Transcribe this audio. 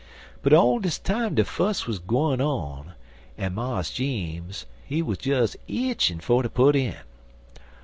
But all dis time de fuss wuz gwine on, en Mars Jeems, he wuz des eatchin' fer ter put in.